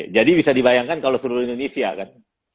jadi bisa dibayangkan kalau seluruh indonesia kan